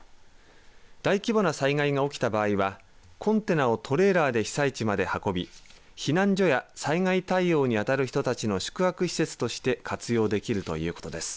大規模な災害が起きた場合はコンテナをトレーラーで被災地まで運び避難所や災害対応に当たる人たちの宿泊施設として活用できるということです。